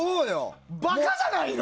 馬鹿じゃないの？